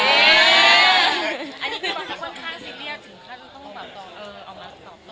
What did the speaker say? อันนี้คือค่อนข้างซีเรียสถึงขั้นต้องแบบเอ่อ